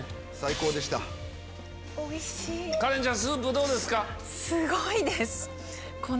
カレンちゃんスープどうですか？